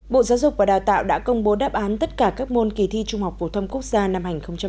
bộ giáo dục và đào tạo đã công bố đáp án tất cả các môn kỳ thi trung học phổ thông quốc gia năm hai nghìn một mươi chín